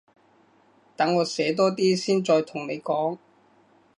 等我寫多啲先再同你講